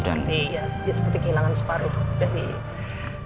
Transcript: dia seperti kehilangan separuh